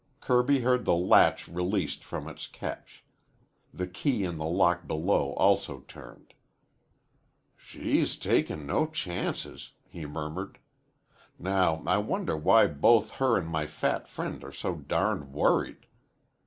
Kirby heard the latch released from its catch. The key in the lock below also turned. "She's takin' no chances," he murmured. "Now I wonder why both her an' my fat friend are so darned worried.